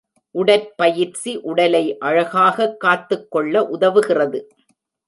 உடற்பயிற்சி உடலை அழகாகக் காத்துக் கொள்ள உதவுகிறது.